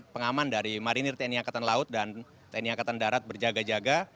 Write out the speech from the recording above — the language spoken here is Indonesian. pengaman dari marinir tni angkatan laut dan tni angkatan darat berjaga jaga